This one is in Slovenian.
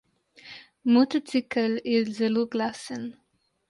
Motocikel je zelo glasen.